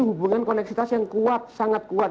hubungan koneksitas yang kuat sangat kuat